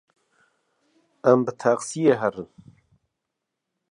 Em bi texsiyê herin?